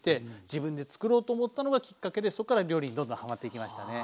自分で作ろうと思ったのがきっかけでそっから料理にどんどんはまっていきましたね。